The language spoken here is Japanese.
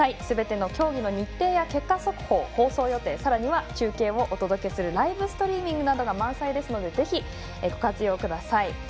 すべての競技の日程や結果速報放送予定、さらには中継をお届けするライブストリーミングなどが満載ですのでぜひ、ご活用ください。